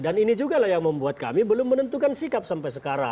dan ini juga lah yang membuat kami belum menentukan sikap sampai sekarang